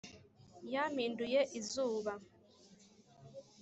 yampinduye izuba